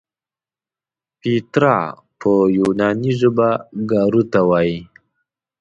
پیترا په یوناني ژبه ګارو ته وایي.